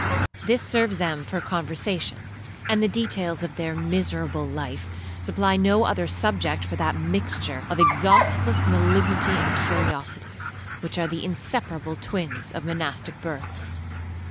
This serves them for conversation; and the details of their miserable life supply no other subject for that mixture of exhaustless malignity and curiosity, which are the inseparable twins of monastic birth.